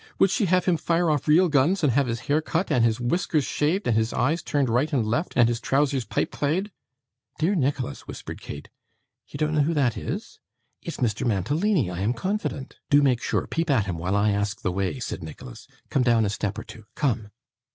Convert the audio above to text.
Would she have him fire off real guns, and have his hair cut, and his whiskers shaved, and his eyes turned right and left, and his trousers pipeclayed?' 'Dear Nicholas,' whispered Kate, 'you don't know who that is. It's Mr Mantalini I am confident.' 'Do make sure! Peep at him while I ask the way,' said Nicholas. 'Come down a step or two. Come!